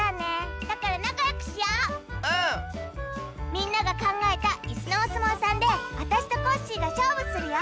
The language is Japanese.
みんながかんがえたイスのおすもうさんであたしとコッシーがしょうぶするよ！